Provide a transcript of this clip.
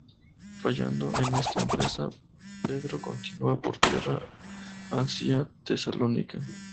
Fallando en esta empresa, Pedro continuó por tierra hacia Tesalónica.